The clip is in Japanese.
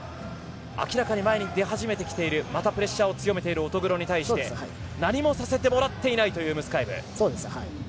明らかに前に出始めてきているプレッシャーを与えている乙黒に対して何もさせてもらっていないというムスカエブ。